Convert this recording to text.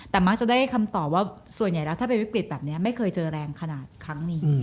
แต่มักจะได้คำตอบว่าส่วนใหญ่แล้วถ้าเป็นวิกฤตแบบนี้ไม่เคยเจอแรงขนาดครั้งนี้